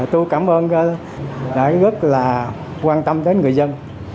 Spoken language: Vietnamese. tôi cảm ơn đã rất là quan tâm đến người dân